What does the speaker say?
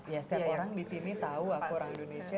ya setiap orang di sini tahu aku orang indonesia